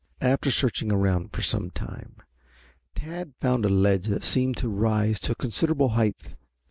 After searching around for some time, Tad found a ledge that seemed to rise to a considerable height.